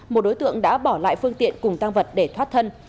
một đối tượng đã bỏ lại phương tiện cùng tăng vật để thoát thân